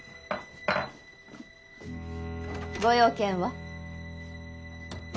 ご用件は？